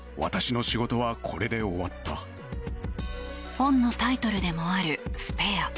本のタイトルでもある「スペア」。